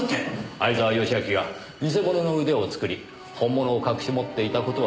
相沢良明が偽物の腕を作り本物を隠し持っていた事は事実でしょう。